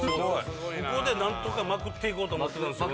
ここで何とかまくっていこうと思ってたんですよ